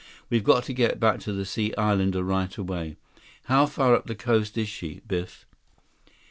We've got to get back to the Sea Islander right away. How far up the coast is she, Biff?"